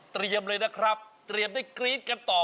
เลยนะครับเตรียมได้กรี๊ดกันต่อ